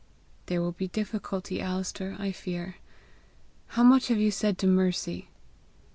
"There will be difficulty, Alister, I fear. How much have you said to Mercy?"